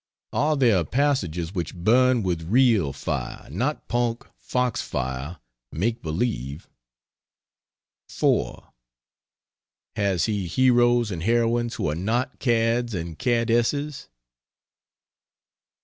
Are there passages which burn with real fire not punk, fox fire, make believe? 4. Has he heroes and heroines who are not cads and cadesses?